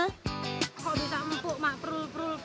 kok bisa empuk mak prul